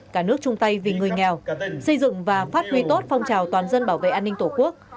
cả nước chung tay vì người nghèo xây dựng và phát huy tốt phong trào toàn dân bảo vệ an ninh tổ quốc